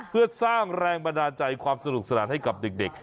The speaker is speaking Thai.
เพื่อสร้างแรงบันดาลใจความสนุกสนานให้กับเด็ก